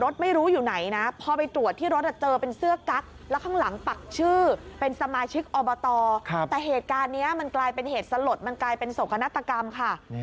แต่เหตุรภาระโรคันนี้มันกลายเป็นเขตสลดมันกลายเป็นโสขนักตกรรมค่ะ